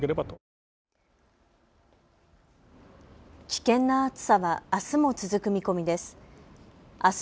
危険な暑さはあすも続く見込みです。